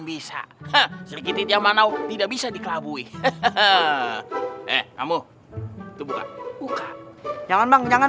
bisa tidak bisa dikelabui kamu jangan jangan